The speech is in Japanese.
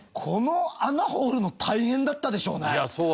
この穴掘るの大変だったでしょうね。